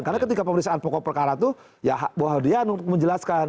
karena ketika pemerintahan pokok perkara itu ya bopardian untuk menjelaskan